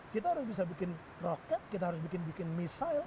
kita harus bisa bikin roket kita harus bikin bikin misale